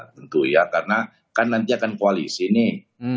tentu ya karena kan nanti akan koalisi nih